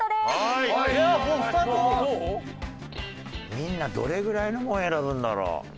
みんなどれぐらいのもの選ぶんだろう？